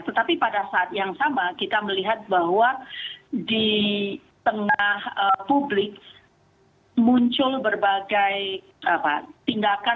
tetapi pada saat yang sama kita melihat bahwa di tengah publik muncul berbagai tindakan